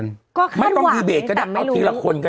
นายก็ต้องดีเบตก็ได้เอาทีละคนค่ะ